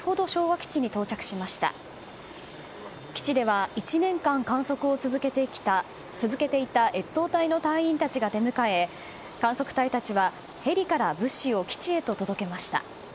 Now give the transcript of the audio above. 基地では１年間観測を続けていた越冬隊の隊員たちが出迎え観測隊たちはヘリから物資を基地へと届けました。